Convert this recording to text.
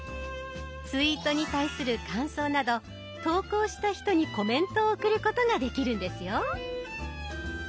ツイートに対する感想など投稿した人にコメントを送ることができるんですよ。